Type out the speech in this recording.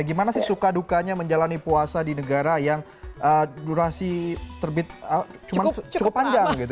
gimana sih suka dukanya menjalani puasa di negara yang durasi terbit cukup panjang gitu